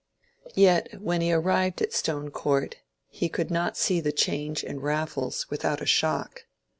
Yet when he arrived at Stone Court he could not see the change in Raffles without a shock.